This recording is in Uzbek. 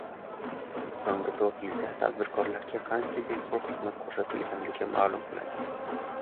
So‘nggi to‘rt yilda tadbirkorlarga qancha bepul xizmat ko‘rsatilgani ma’lum qilindi